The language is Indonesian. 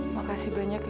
makasih banyak ya